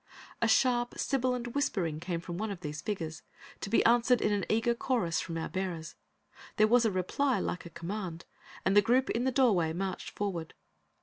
A sharp, sibilant whispering came from one of these figures, to be answered in an eager chorus from our bearers. There was a reply like a command, and the group in the doorway marched forward.